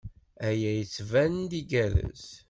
Aya yettban-d igerrez.